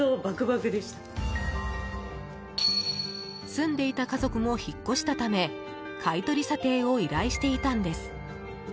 住んでいた家族も引っ越したため買い取り査定を依頼していたんです。